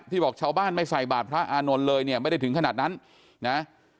บอกชาวบ้านไม่ใส่บาทพระอานนท์เลยเนี่ยไม่ได้ถึงขนาดนั้นนะ